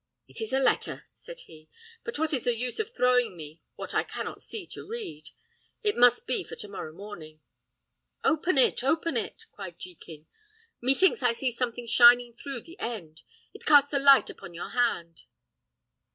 "It is a letter," said he; "but what is the use of throwing me what I cannot see to read? It must be for to morrow morning." "Open it, open it!" cried Jekin; "methinks I see something shining through the end. It casts a light upon your hand."